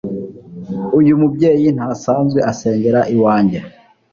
Uyu mubyeyi ntasanzwe asengera iwanjye,